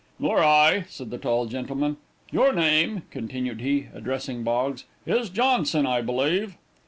"Nor I," said the tall gentleman. "Your name," continued he, addressing Boggs, "is Johnson, I believe."